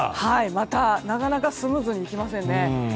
なかなかスムーズにいきませんね。